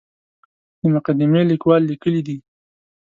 د مقدمې لیکوال لیکلي دي.